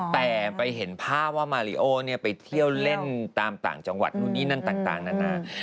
แต่ไปเห็นภาพว่ามาริโอไปเที่ยวเล่นตามต่างจังหวัดนู่นนี่นั่นต่างนานา